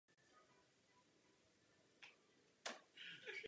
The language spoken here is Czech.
Použití nestejně velkých skupin může být také hrozbou pro vnitřní platnost.